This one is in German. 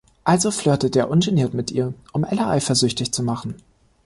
Also flirtet er ungeniert mit ihr, um Ella eifersüchtig zu machen.